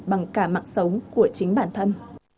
bằng cả mạng sống của chính bản thân